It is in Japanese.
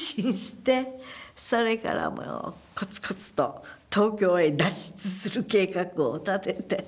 それからコツコツと東京へ脱出する計画を立てて。